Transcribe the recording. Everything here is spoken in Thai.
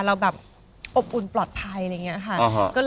เราแบบอบอุ่นปลอดภัยอะไรอย่างนี้ค่ะ